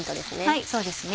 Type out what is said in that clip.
はいそうですね。